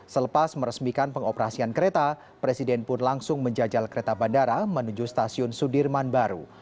selepas meresmikan pengoperasian kereta presiden pun langsung menjajal kereta bandara menuju stasiun sudirman baru